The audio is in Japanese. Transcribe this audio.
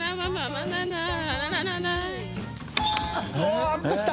おっときた！